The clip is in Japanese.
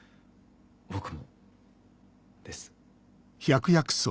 僕もです。